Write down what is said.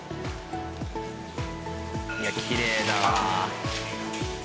いやあきれいだわ。